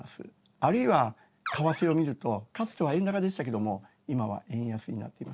あるいは為替を見るとかつては円高でしたけども今は円安になっていますね。